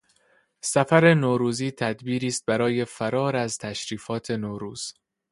سفر نوروزی تدبیری است برای فرار از تشریفات نوروز.